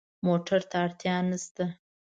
موټر ته اړتیا نه شته.